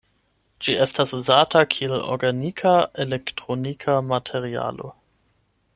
Ĝi estas uzata kiel organika elektronika materialo.